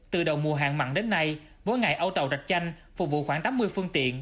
từ đầu mùa hạn mặn đến nay mỗi ngày âu tàu rạch chanh phục vụ khoảng tám mươi phương tiện